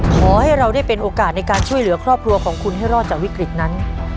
ขอให้เราได้เป็นโอกาสในการช่วยเหลือครอบครัวของคุณให้รอดจากวิกฤตนั้น